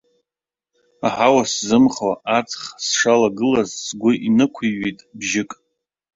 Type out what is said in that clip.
Аҳауа сзымхо, аҵх сшалагылаз, сгәы инықәҩит бжьык.